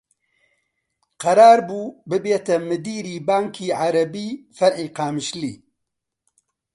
قەرار بوو ببێتە مدیری بانکی عەرەبی فەرعی قامیشلی